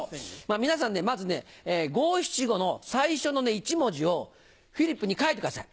皆さんねまず五・七・五の最初の１文字をフリップに書いてください。